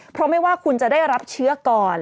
เพราะไม่ว่าคุณจะได้รับเชื้อก่อน